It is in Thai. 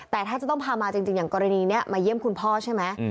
แต่ถ้าจะต้องพามาจริงอย่างกรณีนี้มาเยี่ยมคุณพ่อใช่ไหม